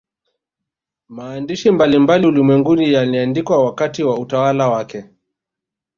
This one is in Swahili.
Maandishi mbalimbali ulimwenguni yaliandikwa wakati wa utawala wake